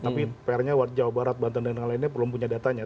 tapi fairnya jawa barat banten dan lain lainnya belum punya datanya